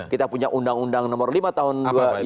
kita punya undang undang nomor lima tahun sembilan puluh